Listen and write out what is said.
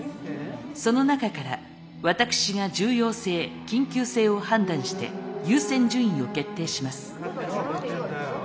その中から私が重要性緊急性を判断して優先順位を決定します。